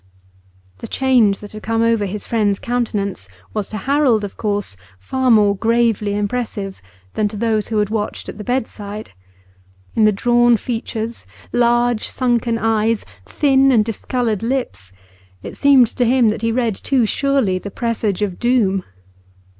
The change that had come over his friend's countenance was to Harold, of course, far more gravely impressive than to those who had watched at the bedside. In the drawn features, large sunken eyes, thin and discoloured lips, it seemed to him that he read too surely the presage of doom.